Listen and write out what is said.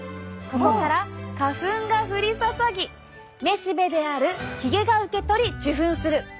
ここから花粉が降り注ぎめしべであるヒゲが受け取り受粉する。